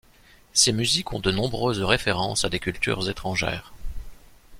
Ses musiques ont de nombreuses références à des cultures étrangères.